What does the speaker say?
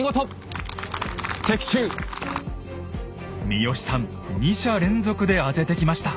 三好さん２射連続で当ててきました。